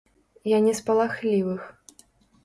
Я не з палахлівых.